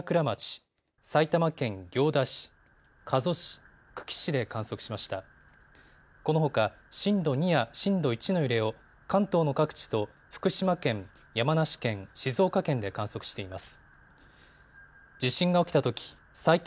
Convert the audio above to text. このほか震度２や震度１の揺れを関東の各地と福島県、山梨県、静岡県で観測しています。